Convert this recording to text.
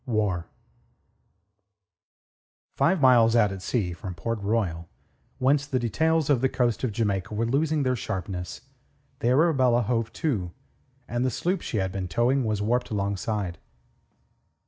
WAR Five miles out at sea from Port Royal, whence the details of the coast of Jamaica were losing their sharpness, the Arabella hove to, and the sloop she had been towing was warped alongside.